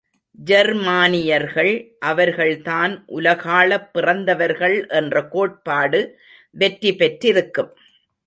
ஜெர்மானியர்கள் அவர்கள்தான் உலகாளப் பிறந்தவர்கள் என்ற கோட்பாடு வெற்றிபெற்றிருக்கும்.